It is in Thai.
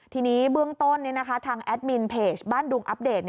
ทีนี้เบื้องต้นทางแอดมินเพจบ้านดุงอัปเดต